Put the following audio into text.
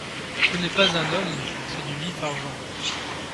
Ce n’est pas un homme, c’est du vif-argent !…